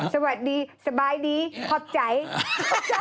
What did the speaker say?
สวัสดีสบายดีขอบใจ